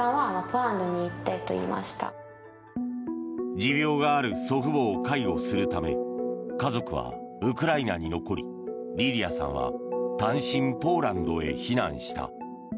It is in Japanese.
持病がある祖父母を介護するため家族はウクライナに残りリリアさんは単身、ポーランドへ避難した。